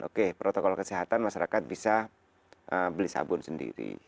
oke protokol kesehatan masyarakat bisa beli sabun sendiri